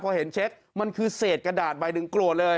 พอเห็นเช็ครู้ว่าคุณเสร็จกระดาษไปนึกรวดเลย